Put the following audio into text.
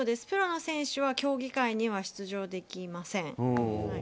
プロの選手は競技会には出場できません。